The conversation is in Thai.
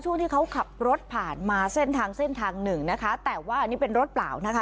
ช่วงที่เขาขับรถผ่านมาเส้นทาง๑นะคะแต่ว่านี่เป็นรถเปล่านะคะ